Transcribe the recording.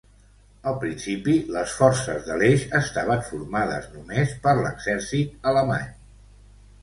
Al principi, les forces de l'Eix estaven formades només per l'exèrcit alemany.